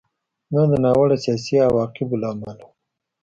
دا د ناوړه سیاسي عواقبو له امله و